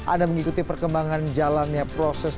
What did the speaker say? anda mengikuti perkembangan jalannya proses